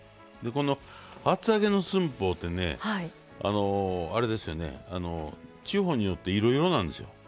厚揚げの寸法って地方によっていろいろなんですよ。